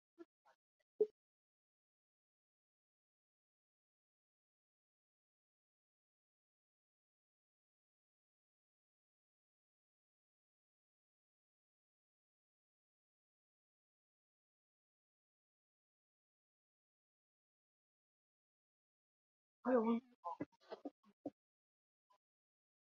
内蒙古科技大学是内蒙古自治区直属大学。